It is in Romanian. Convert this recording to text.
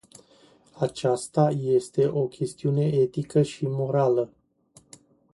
Aceasta este o chestiune etică și morală.